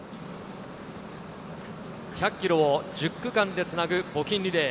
１００キロを１０区間でつなぐ募金リレー。